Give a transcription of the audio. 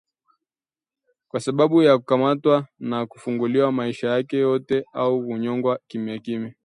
Kwa sababu atakamatwa na kufungwa maisha yake yote au kunyongwa kimya kimya